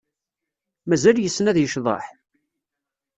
Mazal yessen ad yecḍeḥ?